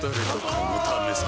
このためさ